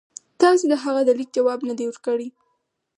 تاسي د هغه د لیک جواب نه دی ورکړی.